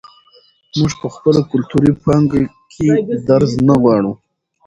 موږ په خپله کلتوري پانګه کې درز نه غواړو.